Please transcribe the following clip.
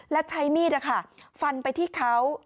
และใช้มีดฟันไปที่เขา